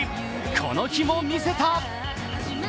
この日も見せた！